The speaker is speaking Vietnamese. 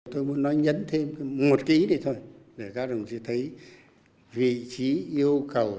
tôi muốn nói nhấn thêm một ký này thôi để các đồng chí thấy vị trí yêu cầu